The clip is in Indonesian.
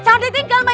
jangan ditinggal mak